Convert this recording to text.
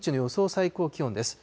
最高気温です。